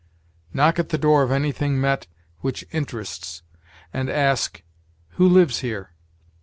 Knock at the door of anything met which interests, and ask, 'Who lives here?'